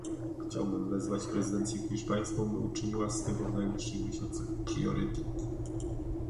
Chciałbym wezwać prezydencję hiszpańską, by uczyniła z tego w najbliższych miesiącach priorytet